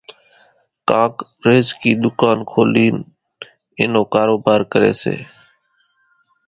ڪانڪ ريزڪِي ۮُڪان کولينَ ين نون ڪاروڀار ڪريَ سي۔